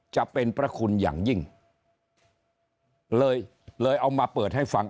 จะเป็นพระคุณอย่างยิ่งเลยเลยเอามาเปิดให้ฟัง